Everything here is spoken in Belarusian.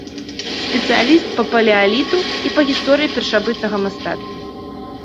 Спецыяліст па палеаліту і па гісторыі першабытнага мастацтва.